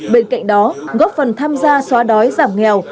bên cạnh đó góp phần tham gia xóa đói giảm nghèo